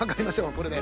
これで。